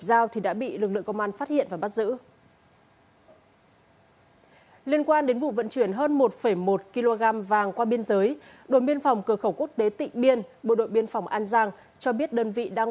xin chào quý vị và các bạn